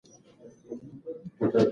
خپلو سترګو ته پام کوئ.